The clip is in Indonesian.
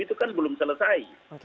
itu kan belum selesai